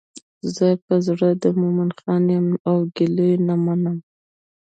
زه په زړه د مومن خان یم او ګیله منه یم.